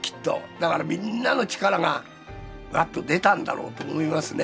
だからみんなの力がワッと出たんだろうと思いますね。